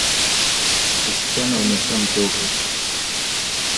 Usichana umeshamtoka